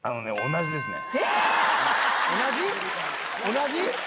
同じ？